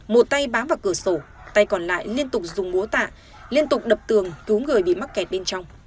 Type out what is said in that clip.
một tay bám vào cửa sổ tay còn lại liên tục dùng múa tạ liên tục đập tường cứu người bị mắc kẹt bên trong